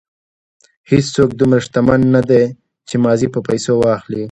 هېڅوک دومره شتمن نه دی چې ماضي په پیسو واخلي.